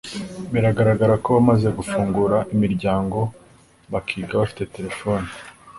bigaragara ko wamaze gufungura imiryango bakiga bafite telefoni